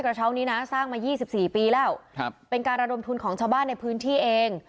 กระเช้านี้นะสร้างมา๒๔ปีแล้วเป็นการระดมทุนของชาวบ้านในพื้นที่เอง